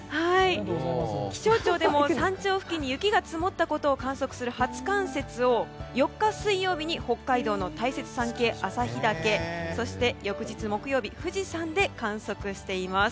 気象庁でも山頂付近に雪が積もったことを観測する初冠雪を４日水曜日に北海道の大雪山系旭岳そして、翌日木曜日富士山で観測しています。